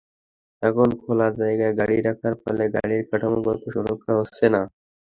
এখন খোলা জায়গায় গাড়ি রাখার ফলে গাড়ির কাঠামোগত সুরক্ষা হচ্ছে না।